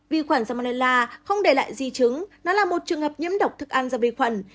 vi khuẩn salmonella không để lại di chứng nó là một trường hợp nhiễm độc thức ăn do vi khuẩn